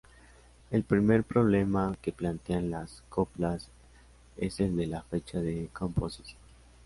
El primer problema que plantean las "Coplas" es el de la fecha de composición.